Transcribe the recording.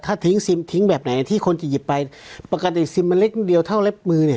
ถ้าทิ้งซิมทิ้งแบบไหนที่คนจะหยิบไปปกติซิมมันเล็กนิดเดียวเท่าเล็บมือเนี่ย